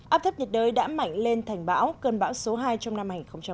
áp thấp nhiệt đới đã mạnh lên thành bão cơn bão số hai trong năm hai nghìn hai mươi